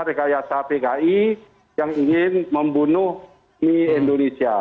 rekayasa pki yang ingin membunuh mie indonesia